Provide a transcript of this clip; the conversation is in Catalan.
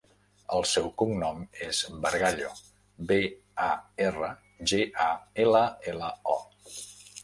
El seu cognom és Bargallo: be, a, erra, ge, a, ela, ela, o.